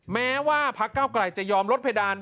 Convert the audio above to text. แม้ว่าพักเก้าไกลจะยอมลดเพดาน